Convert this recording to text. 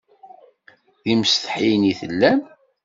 D imsetḥiyen i tellam?